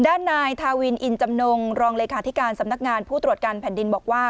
ด้านนายทาวินอินจำนงรองเลขาธิการสำนักงานผู้ตรวจการแผ่นดินบอกว่า